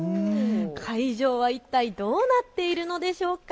会場は一体、どうなっているのでしょうか。